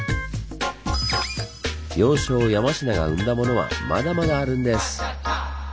要衝・山科が生んだものはまだまだあるんです！